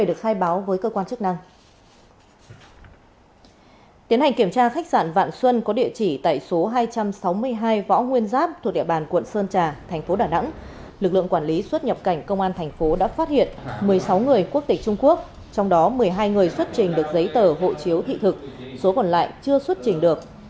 để kiểm tra khách sạn vạn xuân có địa chỉ tại số hai trăm sáu mươi hai võ nguyên giáp thuộc địa bàn quận sơn trà thành phố đà nẵng lực lượng quản lý xuất nhập cảnh công an thành phố đã phát hiện một mươi sáu người quốc tịch trung quốc trong đó một mươi hai người xuất trình được giấy tờ hộ chiếu thị thực số còn lại chưa xuất trình được